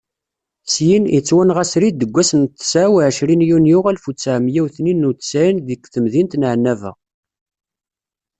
Syin, yettwanɣa srid deg wass n tesɛa uɛecrin yunyu alef u ttɛemya u tniyen u ttsɛin deg temdint n Ɛennaba.